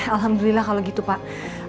alhamdulillah kalau gitu pak